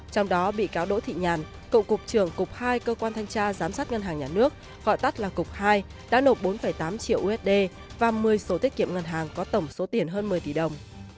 trong đó bị cáo đỗ thị nhàn cựu cục trưởng cục hai cơ quan thanh tra giám sát ngân hàng nhà nước gọi tắt là cục hai đã nộp bốn tám triệu usd và một mươi sổ tiết kiệm ngân hàng có tổng số tiền hơn một mươi tỷ đồng